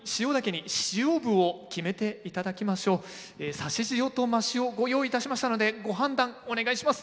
差塩と真塩ご用意いたしましたのでご判断お願いします。